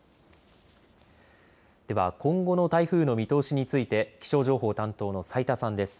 では今後の台風の見通しについて気象情報担当の斉田さんです。